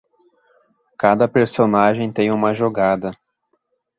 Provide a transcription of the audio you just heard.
Cada personagem tem uma jogada